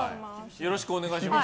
よろしくお願いします。